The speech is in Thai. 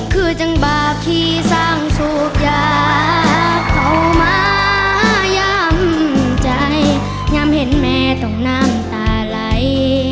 คือจังบาปที่สร้างสุขยาเข้ามาย่ำใจย่ำเห็นแม่ต้องน้ำตาไหล